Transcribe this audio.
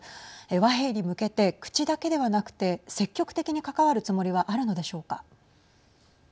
和平に向けて口だけではなくて積極的に関わるつもりはあるのでしょうか。